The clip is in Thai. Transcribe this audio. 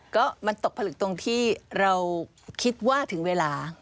ก็มันตกผลึกตรงที่เราคิดว่าถึงเวลา